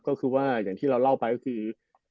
ก็คือว่าอย่างที่เราเล่าไปก็คือ